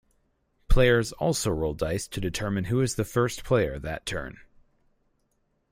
Players also roll dice to determine who is the First Player that turn.